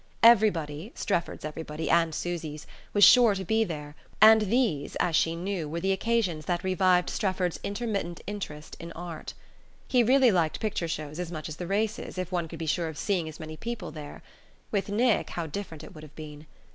Everybody Strefford's everybody and Susy's was sure to be there; and these, as she knew, were the occasions that revived Strefford's intermittent interest in art. He really liked picture shows as much as the races, if one could be sure of seeing as many people there. With Nick how different it would have been!